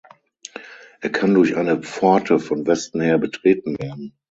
Er kann durch eine Pforte von Westen her betreten werden.